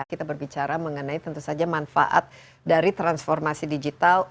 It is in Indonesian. kita berbicara mengenai tentu saja manfaat dari transformasi digital